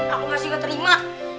aku masih gak terima